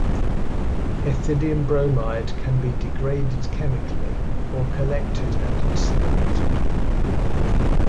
Ethidium bromide can be degraded chemically, or collected and incinerated.